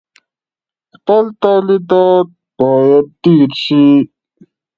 خپل تولیدات باید ډیر شي.